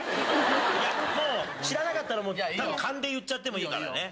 知らなかったら勘で言っちゃってもいいからね。